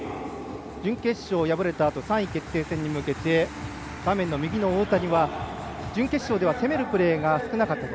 準決勝敗れたあと３位決定戦に向けて大谷は、準決勝では攻めるプレーが少なかったと。